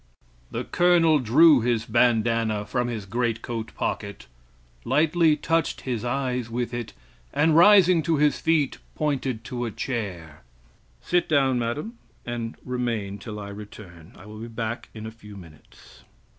The Colonel drew his bandanna from his great coat pocket, lightly touched his eyes with it, and rising to his feet, pointed to a chair "Sit down, madame, and remain till I return. I will be back in a few minutes."